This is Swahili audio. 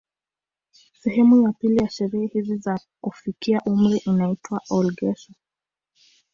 Sehemu ya pili ya sherehe hizi za kufikia umri inaitwa olghesher